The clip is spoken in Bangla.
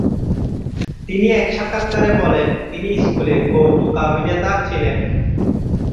তিনি এক সাক্ষাৎকারে বলেন, তিনি স্কুলে "কৌতুকাভিনেতা" ছিলেন।